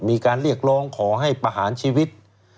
มีการเรียกร้องขอให้ประหารชีวิต